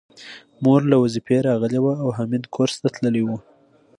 مور له وظيفې راغلې وه او حميد کورس ته تللی و